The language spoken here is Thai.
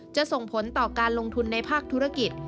ส่งผลต่อการลงทุนในภาคธุรกิจ